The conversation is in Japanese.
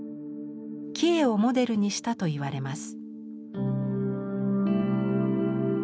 キヱをモデルにしたと言われます。